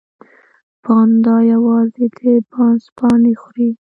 پاندا یوازې د بانس پاڼې خوري